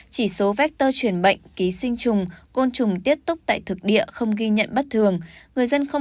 chỉ số vector chuyển bệnh ký sinh trùng côn trùng tiết túc tại thực địa không ghi nhận bất thường